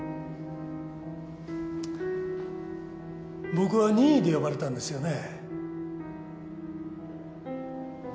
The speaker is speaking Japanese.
僕は任意で呼ばれたんですよね？